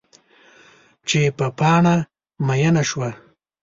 چې په پاڼه میینه شوه